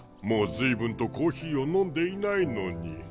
もう随分とコーヒーを飲んでいないのに。